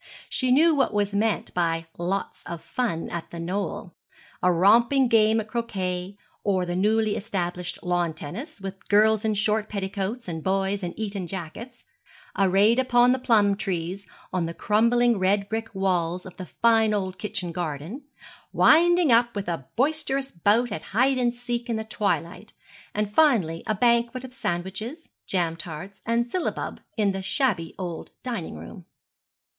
She knew what was meant by lots of fun at The Knoll; a romping game at croquet, or the newly established lawn tennis, with girls in short petticoats and boys in Eton jackets; a raid upon the plum trees on the crumbling red brick walls of the fine old kitchen garden; winding up with a boisterous bout at hide and seek in the twilight; and finally a banquet of sandwiches, jam tarts, and syllabub in the shabby old dining room.